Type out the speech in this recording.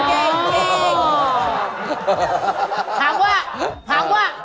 ถามว่าถามว่า